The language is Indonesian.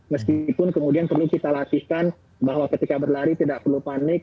meskipun kemudian perlu kita latihkan bahwa ketika berlari tidak perlu panik